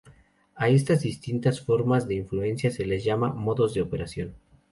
A estas distintas formas de influencia se les llama modos de operación.